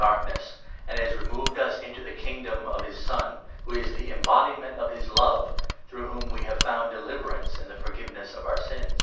Darkness, and has removed us into the Kingdom of his Son, who is the embodiment of his love, and through whom we have found deliverance in the forgiveness of our sins.